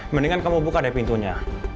mendingan kamu buka dari pintunya